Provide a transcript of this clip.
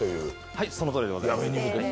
はい、そのとおりでございます。